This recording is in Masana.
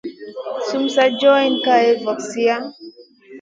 Sumu sa john kaléya vo vizia.